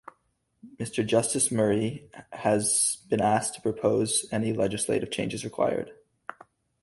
Mr Justice Murray has been asked to propose any legislative changes required.